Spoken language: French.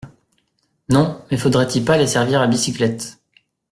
Non ! mais faudrait-y pas les servir à bicyclette !